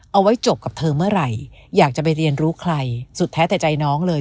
เอาไว้จบกับเธอเมื่อไหร่อยากจะไปเรียนรู้ใครสุดแท้แต่ใจน้องเลย